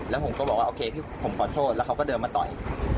แล้วผมก็บอกว่าโอเคพี่ผมขอโทษแล้วเขาก็เดินมาต่อย